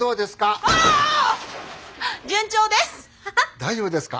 大丈夫ですか？